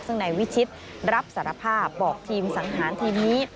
ซึ่งนายวิชิตรับสารภาพบอกทีมสังหารทีมนี้